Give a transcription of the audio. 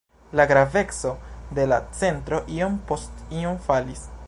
La graveco de la centro iom post iom falis.